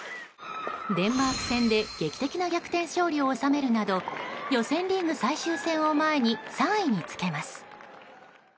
デンマーク戦で劇的な逆転勝利を収めるなど予選リーグ最終戦を前に３位につけます。